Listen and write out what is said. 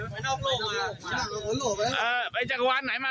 ไปนอกโล่วิแคร์เอ่อไปจังหวานไหนมา